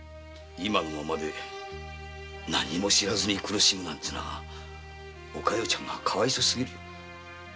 今のままで何も知らずに苦しむなんてお加代ちゃんがかわいそうだ。